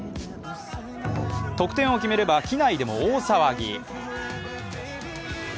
得点を決めれば、機内でも大騒ぎ。